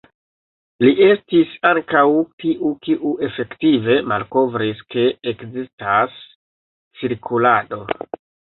Li estis ankaŭ tiu kiu efektive malkovris ke ekzistas cirkulado.